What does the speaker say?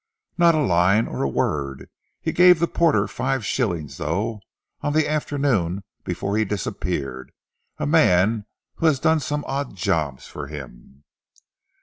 "Not a line or a word. He gave the porter five shillings, though, on the afternoon before he disappeared a man who has done some odd jobs for him."